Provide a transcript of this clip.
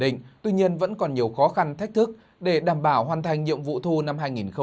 nhưng vẫn còn nhiều khó khăn thách thức để đảm bảo hoàn thành nhiệm vụ thu năm hai nghìn một mươi tám